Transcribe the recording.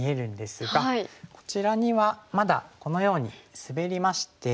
こちらにはまだこのようにスベりまして。